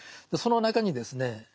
その中にですね